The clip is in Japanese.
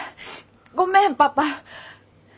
ごめんパパ。